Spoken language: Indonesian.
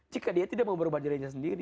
jika dia tidak mau berubah dirinya sendiri